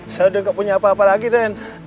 saya udah gak punya apa apa lagi den